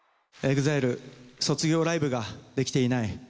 ＥＸＩＬＥ卒業ライブができていない